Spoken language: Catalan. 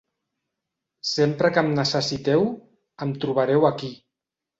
Sempre que em necessiteu, em trobareu aquí.